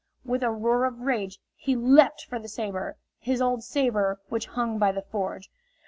With a roar of rage he leaped for the saber his old saber which hung by the forge.